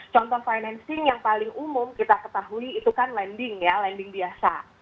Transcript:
contoh financing yang paling umum kita ketahui itu kan lending ya landing biasa